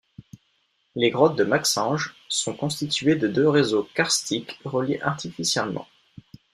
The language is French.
Les grottes de Maxange sont constituées de deux réseaux karstiques reliés artificiellement.